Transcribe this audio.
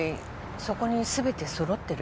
そこにすべて揃ってる？